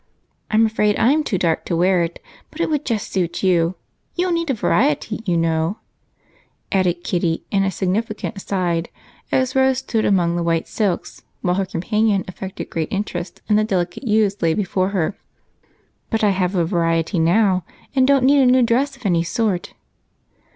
I'm afraid I'm too dark to wear it, but it would just suit you. You'll need a variety, you know," added Kitty in a significant aside as Rose stood among the white silks while her companion affected great interest in the delicate hues laid before her. "But I have a variety now, and don't need a new dress of any sort."